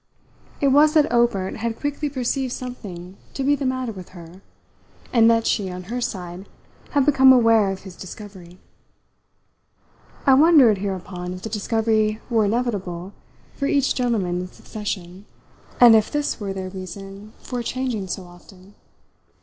It was that Obert had quickly perceived something to be the matter with her, and that she, on her side, had become aware of his discovery. I wondered hereupon if the discovery were inevitable for each gentleman in succession, and if this were their reason for changing so often.